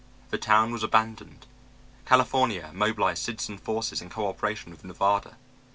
The town was abandoned. California mobilized citizen forces in cooperation with Nevada.